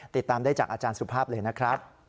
ติดตามได้จากอาจารย์สุภาพเลยนะครับ